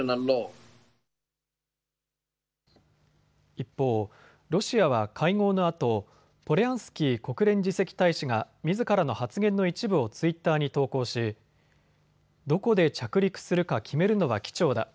一方、ロシアは会合のあとポリャンスキー国連次席大使がみずからの発言の一部をツイッターに投稿しどこで着陸するか決めるのは機長だ。